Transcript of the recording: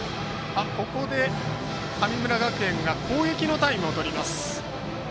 ここで神村学園が攻撃のタイムをとりました。